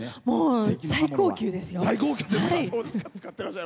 最高級ですよ。